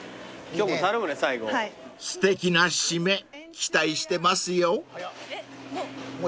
［すてきな締め期待してますよ］